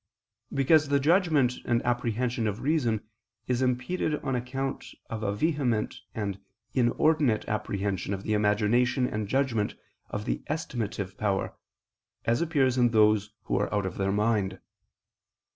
Because the judgment and apprehension of reason is impeded on account of a vehement and inordinate apprehension of the imagination and judgment of the estimative power, as appears in those who are out of their mind.